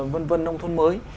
vân vân nông thôn mới